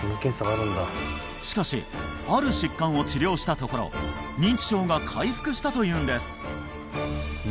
しかしある疾患を治療したところ認知症が回復したというんです